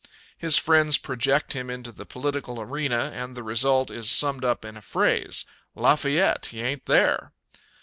His friends project him into the political arena and the result is summed in a phrase "Lafayette, he ain't there!"